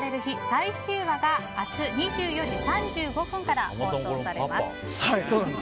最終話が明日２４時３５分から放送です。